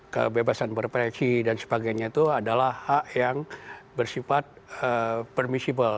kebebasan berpreksi dan sebagainya itu adalah hak yang bersifat permissible